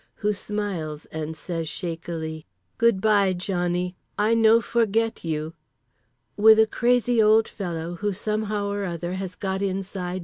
who smiles and says shakily: "Good bye, Johnny; I no for get you," with a crazy old fellow who somehow or other has got inside B.